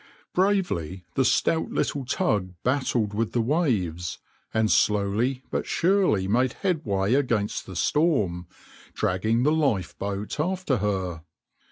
\par Bravely the stout little tug battled with the waves, and slowly but surely made headway against the storm, dragging the lifeboat after her.